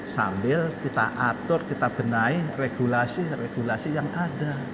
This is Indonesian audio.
sambil kita atur kita benahi regulasi regulasi yang ada